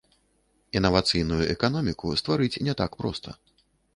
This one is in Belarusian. Інавацыйную эканоміку стварыць не так проста.